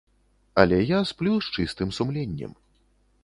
Але я сплю з чыстым сумленнем.